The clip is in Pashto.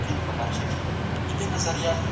تخنیکي پرمختګ د اقتصاد په وده کي اساسي رول لري.